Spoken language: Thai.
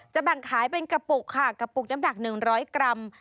แบ่งขายเป็นกระปุกค่ะกระปุกน้ำหนัก๑๐๐กรัม